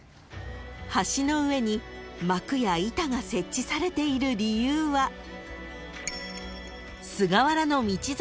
［橋の上に幕や板が設置されている理由は菅原道真